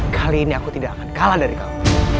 kali ini aku tidak akan kalah dari kamu